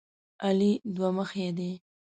علي دوه مخی دی.